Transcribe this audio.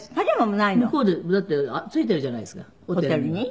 向こうでだってついてるじゃないですかホテルに。